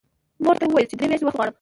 مور ته یې وویل چې درې میاشتې وخت غواړم